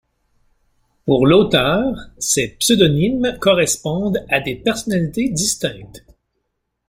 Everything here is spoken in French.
Pour l'auteur, ces pseudonymes correspondent à des personnalités distinctes.